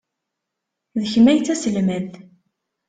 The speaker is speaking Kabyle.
D kemm ay d taselmadt.